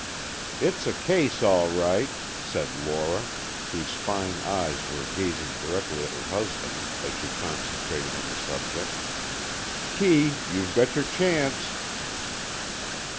"It's a case, all right," said Lora, whose fine eyes were gazing directly at her husband, as she concentrated on the subject. "Kee, you've got your chance!"